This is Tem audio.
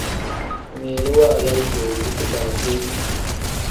Ngmiilu waala igoobu kidaaveeniti.